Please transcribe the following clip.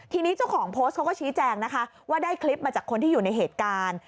ทีนี้เจ้าของโพสต์เขาก็ชี้แจงนะคะว่าได้คลิปมาจากคนที่อยู่ในเหตุการณ์